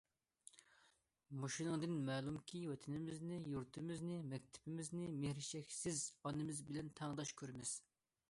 مۇشۇنىڭدىن مەلۇمكى، ۋەتىنىمىزنى، يۇرتىمىزنى، مەكتىپىمىزنى مېھرى چەكسىز ئانىمىز بىلەن تەڭداش كۆرىمىز.